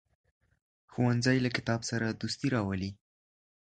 ښوونځی له کتاب سره دوستي راولي